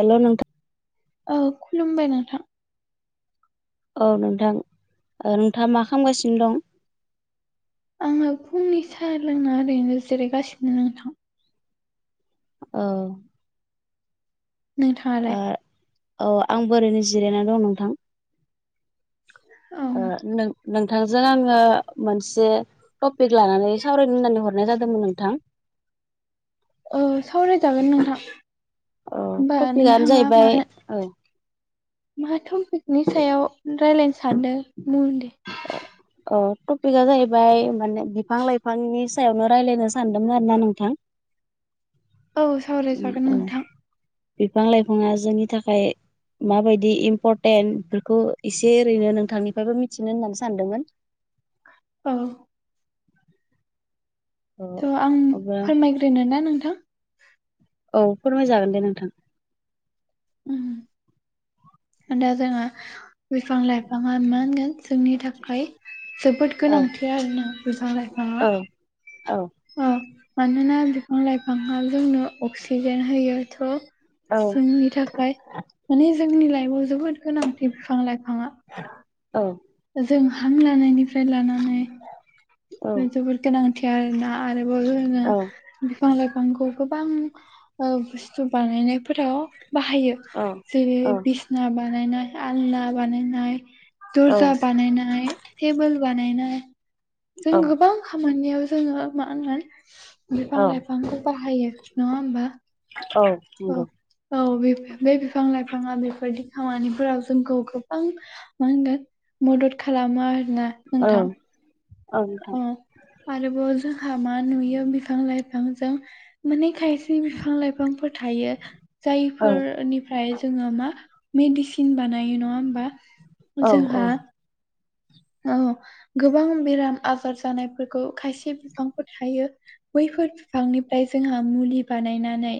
हेल' नोंथां? औ खुलुमबाय नोंथां। औ नोंथां नोंथाङा मा खालामगासिनो दं? आङो फुंनि साहा लोंना ओरैनो जिरायगासिनो नोंथां। औ। नोंथाङालाय? औ आंबो ओरैनो जिरायनानै दं नोंथां। औ ओ नों नोंथांजों आङो मोनसे टपिक लानानै सावरायनो होननानै हरनाय जादोंमोन नोंथां। औ सावरायजागोन नोंथां। होमबा टपिकआनो नोंथाङा जाहैबाय मानो औ मा पिकनि सायाव रायलायनो सानदों बुं दे। अ टपिकआ जाहैबाय माने बिफां लाइफांनि सायावनो रायलायनो सानदोंमोन आरोना नोंथां औ सावरायजागोन औ। नोंथां बिफां लाइफाङा जोंनि थाखाय माबायदि इम्परटेन्ट बेफोरखौ एसे ओरैनो नोंथांनिफ्रायबो मिथिनो होननानै सानदोंमोन। औ। थ' आं अब्ला फोरमायग्रोनो ना नोंथां। औ फोरमायजागोन दे नोंथां। ओम। दा जोङो बिफां लाइफाङा मा होनगोन जोंनि थाखाय जोबोद औ गोनांथि आरोना बिफां लाइफाङा। औ। औ मानोना बिफां लाइफाङा जोंनो अक्सिजेन होयो थ' जोंनि थाखाय माने जोंनि लाइफआव जोबोद गोनांथि बिफां लाइफाङा। औ। जों हां लानायनिफ्राय लानानै जोबोद गोनांथि आरोना आरोबाव जोङो बिफां लाइफांखौ गोबां बुस्थु बानायनायफोराव बाहायो‌। जेरै बिसना बानायनाय आलना बानायनाय दरजा बानायनाय टेबोल बानायायनाय जों गोबां खामानियाव जोङो मा होनगोन बिफां लाइफांखौ बाहायो नङा होमबा? औ। औ औ बे बे बिफां लाइफाङा बेफोरदि खामानिफोराव जोंखौ गोबां मा होनगोन मदद खालामो आरोना नोंथां। अ आरोबाव जोंहा मा नुयो बिफां लाइफांजों माने खायसे बिफां लाइफांफोर थायो जायफोरनिफ्राय जोङो मा मेडिसिन बानायो नङा होमबा। जोंहा औ गोबां बेराम आजार जानायफोरखौ खायसे बिफांफोर थायो। बैफोर बिफांनिफ्राय जोंहा मुलि बानायनानै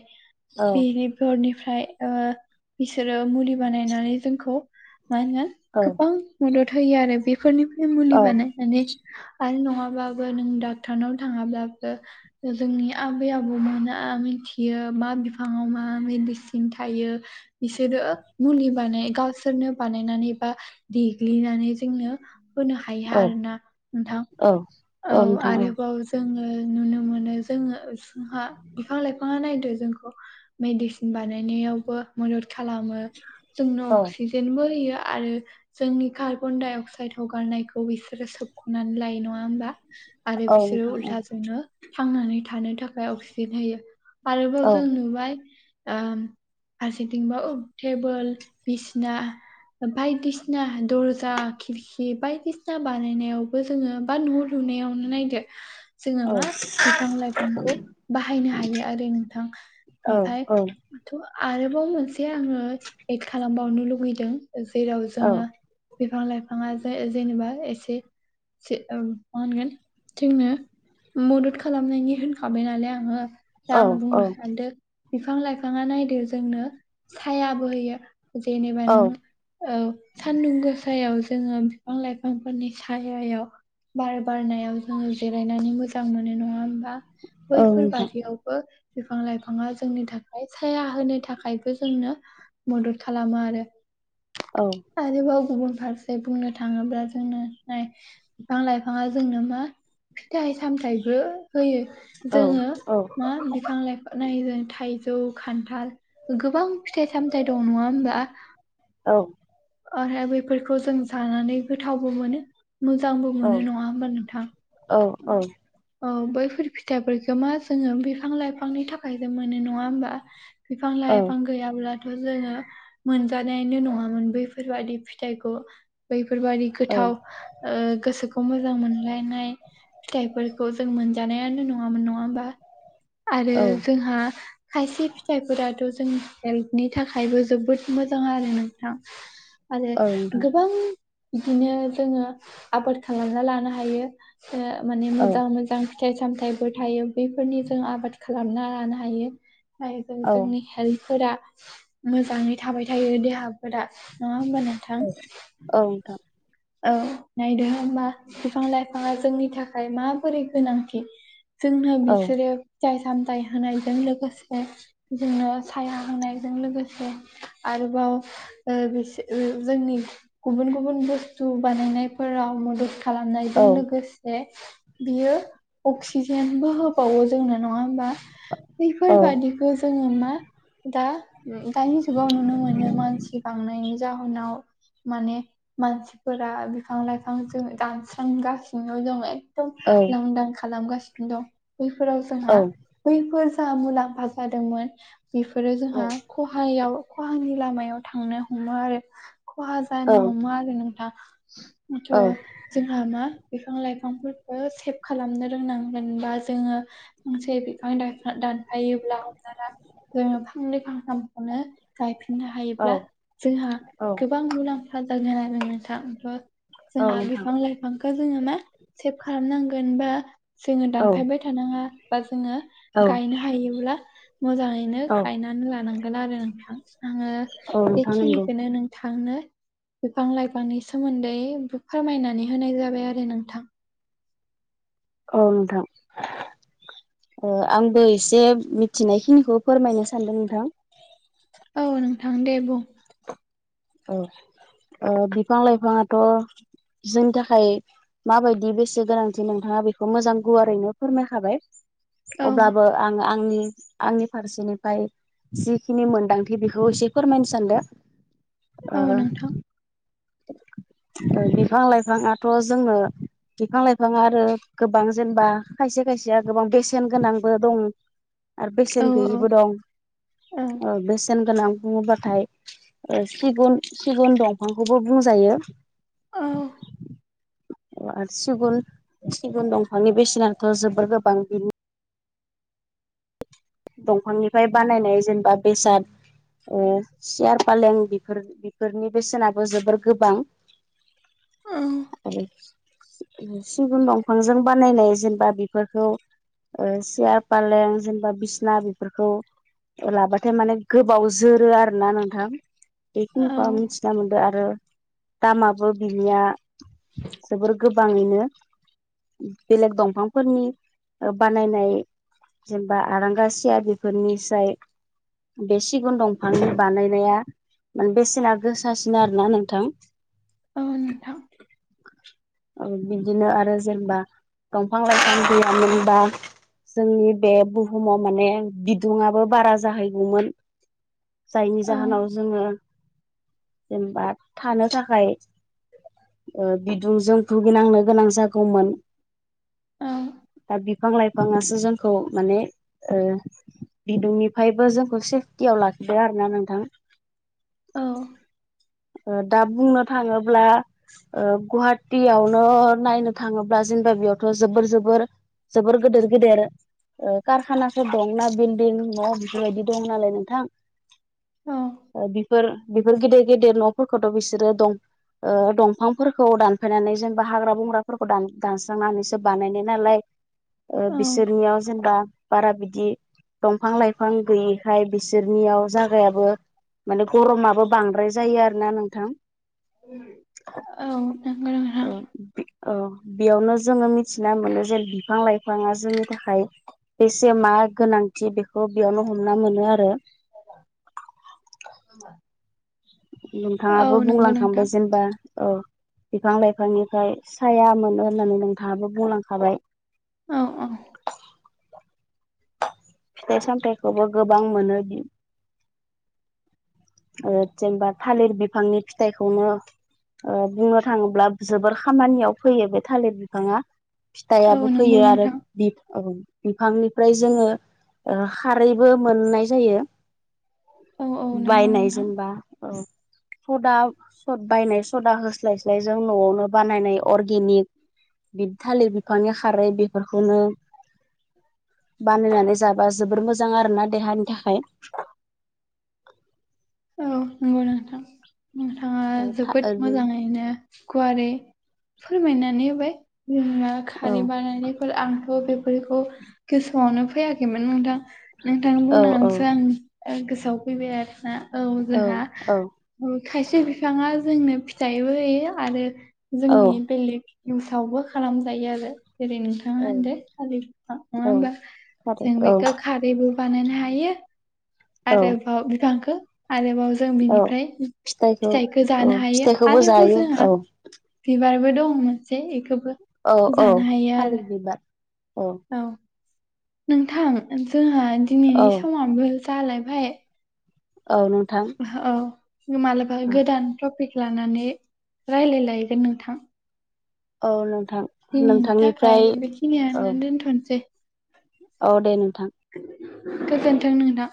बेनि फोरनिफ्राय बिसोरो मुलि बानायनानै जोंखौ मा होनो गोबां मदद होयो आरो बेफोरनिफ्राय मुलि बानाय नानै आरो नङाबाबो नों डक्टरनाव थाङाब्लाबो जोंनि आबै आबौमोना मिथियो मा बिफाङाव मा मेडिसिन थायो। बिसोरो मुलि बानाय गावसोरनो बानायनानै बा देग्लिनानै जोंनो होनो हायोया आरोना नोंथां। औ आरोबाव जोङो नुनो मोनो जोङो जोंहा बिफां लाइफाङा नायदो जोंखौ मेडिसिन बानायनायावबो मदद खालामो जोंनो अक्सिजेनबो होयो आरो जोंनि कार्बन डाइ अक्साइद हगारनायखौ बिसोरो सोबख'नानै लायो नङा होमबा। आरो बिसोरो उल्थाजोंनो थांनानै थानो थाखाय अक्सिजेन होयो। आरोबाव जों नुबाय फारसेथिंबा टेबोल बिसिना बायदिसिना दर्जा खिरखि बायदिसिना बानायनायावबो जोङो बा नुहुरो फुनायावनो नायदो जोङो मा बिफां लाइफांखौ बाहायनो हायो आरो नोंथां ओमफाय थ' आरोबाव मोनसे आङो एक खालामबावनो लुुबैदों जेराव जोङो बिफां लाइफाङा जे जेनेबा एसे मा होनगोन जोंनो मदद खालामनायनि होनखाबाय नालाय आङो दा आं बुंनो सानदो बिफां लाइफाङा नायदो जोंनो सायाबो होयो। जेनिबा नोङो औ सानदुं गोसायाव जोङो बिफां लाइफांफोरनि सायायाव बार बारनायाव जोङो जिरायनानै मोजां मोनो नङा होमबा बैफोर बादियावबो बिफां लाइफाङा जोंनि थाखाय साया होनो थाखायबो जोंनो मदद खालामो आरो औ। आरोबाव गुबुन फारसे बुंनो थाङोब्ला जोंनो नाय बिफां लाइफाङा जोंनो मा फिथाइ सामथायाइबो होयो। जोङो मा बिफां लाइफां नाय थाइजौ खान्थाल गोबां फिथाइ सामथाइ दं नङा होमब्ला। औ आरो बेफोरखौ जों जानानै गोथावबो मोनो। मोजांबो मोनो नङा होमबा नोंथां। औ बैफोर फिथाइफोरखौ मा जोङो बिफां लाइफांनि थाखाय जो मोनो नङा होमबा। बिफां लाइइफां गैयाब्लाथ' जोङो मोनजानायनो नङामोन बे बेफोरबादि फिथाइखौ बैफोरबादि गोथाव गोसोखौ मोजां मोनलायनाय फिथाइफोरखौ जों मोनजानायानो नङामोन नङा होमबा आरो जोंहा खायसे फिथाइफोराथ' जोंनि हेल्थनि थाखायबो जोबोद मोजां आरो नोंथां आरो गोबां बिदिनो जोङो आबाद खालामना लानो हायो। माने मोजां मोजां फिथाइ सामथाइबो थायो बेफोरनि जों आबाद खालामना लानो हायो। जों जोंनि हेल्थफोरा मोजाङै थाबाय थायो देहाफोरा नङा होमबा नोंथां? औ नोंथां औ नायदो होमबा बिफां लाइफाङा जोंनि थाखाय माबोरै गोनांथि जोंनो बिसोरो फिथाइ सामथायाइ होनायजों लोगोसे जोंनो साया होनायजों लोगोसे आरोबाव ओ बिस जोंनि गुबुन गुबुन बुस बुस्थु बानायनायफोराव मदद खालामनायजों लोगोसे बियो अक्सिजेनबो होबावो जोंना नङा होमबा बैफोरबादिखौ जोङो मा दा दानि जुगाव नुनो मोनो मानसि बांनायनि जाहोनाव माने मानसिफोरा बिफां लाइफां जों दानस्रांगासिनो जोङो एदम लांदां खालामगासिनो दं बैफोराव जोंहा बैफोर जों मुलाम्फा जादोंमोन बेफोरो औ जोंहा खहायाव खहानि लामायाव थांनो हमो आरो खहा औ जानो हमो आरो नोंथां थ औ जोंहा मा बिफां लाइफांफोरखौ सेभ खालामनो रोंनांगोनबा जोङो फांसे बिफां दानफायोब्ला हमजाना जोङो फांनै फांथामखौनो गायफिननो औ हायोब्ला जोंहा औ गोबां मुलाम्फा जागोन आरो नोंथां जोंहा नोंथां बिफां लाइफांखौ जोङो मा सेभ खालामनांगोन बा जोङो औ दानफायबाय थ थानाङा बा जोङो औ गायनो हायोब्ला मोजाङैनो औ गाय लांगोन आरो नोंथां आो नोंथां नंगौ बेखिनिखौनो नों नोंथांनो बिफां लाइफांनि सोमोन्दै फोरमायनानै होनाय जाबाय आरो नोंथां औ नोंथां ओ आंबो एसे मिथिनायखिनिखौ फोरमायनो सानदों नोंथां औ नोंथां दे बुं औ ओ बिफां लाइफाङाथ' जोंनि थाखाय माबायदि बेसे गोनांथि नोंथाङा बेखौ मोजां गुवारैनो फोरमायखाबाय औ अब्लाबो आं आंनि आंनि फारसेनिफ्राय जिखिनि मोनदांथि बेखौ एसे फोरमायनो सानदों औ नोंथां बिफां लाइफाङाथ' जोङो बिफां लाइफां आरो गोबां जेनेबा खायसे खायसेया गोबां बेसेन गोनांबो दं आरो औ बेसेन औ गैयिबो दं औ बेसेन गोनां बुङोबाथाय सिगुन सिगुन दंफांखौबो बुंजायो औ आरो सिगुन सिगुन दंफांनि बेसेनाथ' जोबोर गोबां बिनो दंफांनिफ्राय बानायनाय जेनेबा बेसाद सियार फालें बेफोर बेफोरनि बेसेनाबो जोबोर गोबां औ आरो सिगुन दंफांजों बानायनाय जेनेबा बेफोरखौ सियार फालें जेनेबा बि ना बेफोरखौ लाबाथाय माने गोबाव जोरो आरोना नोंथां औ बेखिनिखौ आं मिथिना मोन्दों आरो दामाबो बिनिया जोबोर गोबाङैनो बेलेग दंफांफोरनि बानायनाय जेनेबा आरां गा सिया बेफोरनिफ्राय बे सिगुन दंफांनि बानायनाया माने बेसेना गोसासिन आरोना नोंथां ओ नोथां [inaudible] ओ बिदिनो आरो जेनेबा दंफां लाइफां गैयामोनबा जोंनि बे बुहुमाव माने बदुंआबो बारा जाहैगौमोन जायनि औ जाहोनाव जोङो जेनेबा थानो थाखाय बिदुं जों भुगिनांनो गोनां जागौमोन औ दा बिफां लाइफाङासो जोंखौ माने बिदुंनिफ्रायबो जोंखौ सेफटियाव लाखिदो आरो ना नोंथां औ दा बुंनो थाङोब्ला गुवाहाटियावनो नायनो थाङोब्ला जेनेबा बेयावथ' जोबोर जोबोर जोबोर गेदेर गेदेर कारखानाफोर दंनाा बिल्डिं न' बेफोरबायदि दं नालाय नोंथां औ बेफोर बेफोर गिदिर गिदिर न'फोरखौथ' बिसोरो दं दंफांफोरखौ दानफायनानै जेनेबा हाग्रा बंग्राफोरखौ दानस्रांनानैसो बानायनाय नालाय औ बिसोरनियाव जेनेबा बारा बिदि दंफां लाइफां गैयि बिसोरनियाव जागायाबो माने गरमाबो बांद्राय जायो आरो ना नोंथां औ नंगौ नोंथां ओ औ बेयावनो जोङो मिथिना मोनो जे बिफां लाइफाङा जोंनि थाखाय बेसे मा गोनांथि बेखौ बेयावनो हमना मोनो आरो [inaudible] औ नोंथाङाबो नंगौ बुंलांखांबाय नोंथां जेनेबा औ बिफां लाइफांनिफ्राय साया मोनो होननानै नोंथाङाबो बुंलांखाबाय औ औ फिथाइ सामथायाइखौबो गोबां मोनो बि जेनबा थालिर बिफांनि फिथाइखौनो बुंनो थाङोब्ला जोबोर खामानियाव फैयो बे थालिर बिफाङा औ फिथाइाबो फैयो नंगौ आरो नोंथां बि औ बिफांनिफ्राय जोङो खारैबो मोननाय जायो औ औ नंगौ बायनाय नोंथां जेनबा औ सदा स बायनाय सदा होस्लायस्लाय जों न'आवनो बानायनाय अर्गेनिक बि थालिर बिफांनि खारै बेफोरखौनो बानायनानै जाबा जोबोर मोजां आरो ना देहानि थाखाय औ नंगौ नोंथां नोंथाङा औ जोबोद मोजाङैनो गुवारै फोरमायनानै होबाय जा औ खारै बानायानानै फोर आंथ' बेफोरखौ गोसोआवनो फैयाखैमोन नोंथां नोंथांनो औ बुंनानैसो आं गोसोआव फैबाय आरोना औ जोंहा औ खायसे बिफाङा जोंनो फिथाइबो होयो आरो औ जोंनि बेलेग इउसावबो खालामजायो आरो जेरै नोंथां मा होनदो थालिर बिफां नङा होमबा जों औ बेखौ खारैबो बानायनो हायो औ आरोेबाब बिबांखौ आरोेबाव जों औ बिनिफ्राय फिथाइखौ औ जानो हायो फिथाइखौबो आरोबाव जायो औ जोंहा बिबारबो दं मोनसे बेखौ औ औ थालिर बिबार औ औ नोंथां जोंहा औ दिनैनि समाबो जालायबाय औ नोंथां हो औ मालाबा गोदान टपिक लानानै राय्लाय लायगोन नोंथां औ नोंथां दिनैनि थाखाय नोंथांनिफ्राय औ बेखिनियानो दोनथ'नोसै औ दे नोंथां गोजोनथों नोंथां